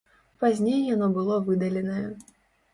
Пазней яно было выдаленае.